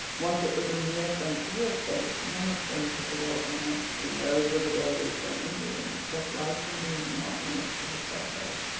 Once it was a mere frontier station on the fringe of the wilderness, and those were the days when Indians kept life from being monotonous to the settlers.